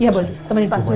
iya boleh temenin pak sudah